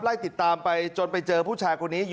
ไล่ติดตามไปจนไปเจอผู้ชายคนนี้